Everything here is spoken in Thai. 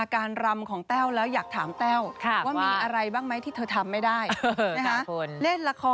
การรับการแสดงก็สวยสดงดงามนะคะ